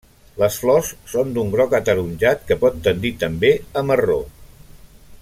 Les flors són d'un groc ataronjat que pot tendir també a marró.